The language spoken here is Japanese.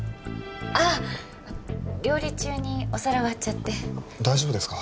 あっ料理中にお皿割っちゃって大丈夫ですか？